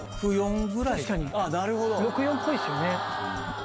６対４っぽいですよね。